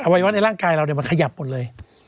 วัยวะในร่างกายเรามันขยับหมดเลย